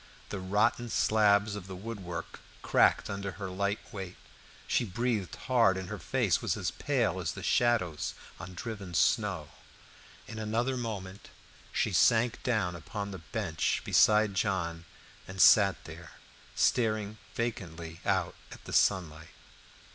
The rotten slabs of the wood work cracked under her light weight. She breathed hard, and her face was as pale as the shadows on driven snow; in another moment she sank down upon the bench beside John, and sat there, staring vacantly out at the sunlight.